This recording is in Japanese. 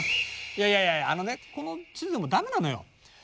いやいやいやあのねこの地図でもダメなのよ。